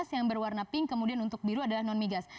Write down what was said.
yang berwarna pink kemudian untuk biru adalah non migas